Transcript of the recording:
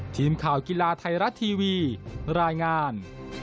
ทีมข่าวกีฬาไทยรัฐทีวีรายงาน